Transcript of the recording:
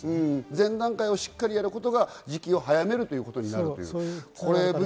前段階をしっかりやることが時期を早めることになるんですね。